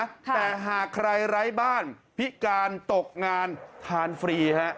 แต่หากใครไร้บ้านพิการตกงานทานฟรีฮะ